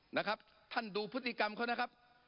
นะครับท่านดูพฤติกรรมเขานะครับ